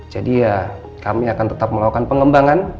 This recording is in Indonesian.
jadi ya kami akan tetap melakukan pengembangan